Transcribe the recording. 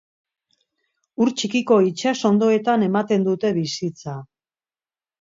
Ur txikiko itsas hondoetan ematen dute bizitza.